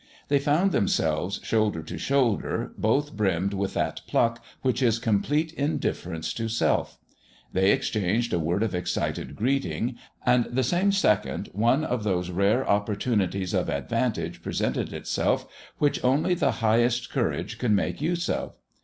They found themselves shoulder to shoulder, both brimmed with that pluck which is complete indifference to Self; they exchanged a word of excited greeting; and the same second one of those rare opportunities of advantage presented itself which only the highest courage could make use of.